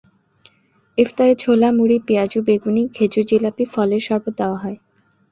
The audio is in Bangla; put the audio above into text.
ইফতারে ছোলা, মুড়ি, পেঁয়াজু, বেগুনি, খেজুর, জিলাপি, ফলের শরবত দেওয়া হয়।